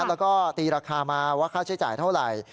แล้วก็ตีราคามาว่าค่าใช้จ่ายเท่าไหร่